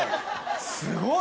すごい！